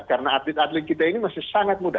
karena atlet atlet kita ini masih sangat muda